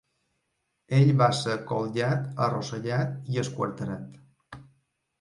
Ell va ser colgat, arrossegat i esquarterat.